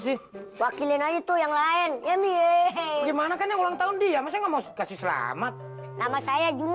sih wakilin aja dong ya kalau kamu mau ngasih selamat gimana sih wakilin aja dong ya kamu mau ngasih selamat gimana sih wakilin aja dong